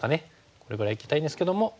これぐらいいきたいんですけども。